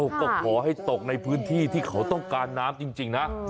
ก็ขอให้ตกในพื้นที่ที่เขาต้องการน้ำจริงนะ